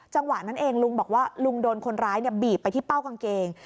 จังหวะนั้นเองลุงบอกว่าลุงโดนคนร้ายบีบไปที่เป้ากางเกง